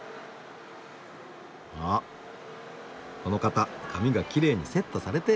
あこの方髪がきれいにセットされて。